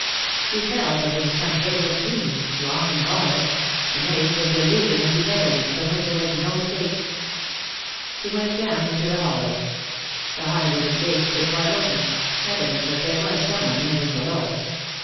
He felt as in some hideous dream — long involved — a maze of delusion and bedevilment, from which there was no escape. He went down into the hollow. The high wooden gate stood wide open — evidence that there was some one lingering below.